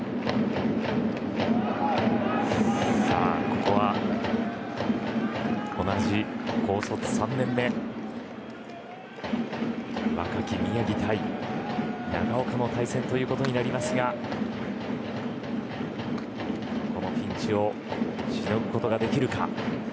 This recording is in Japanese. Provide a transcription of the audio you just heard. ここは同じ高卒３年目若き宮城対長岡の対戦ということになりますがこのピンチをしのぐことができるか。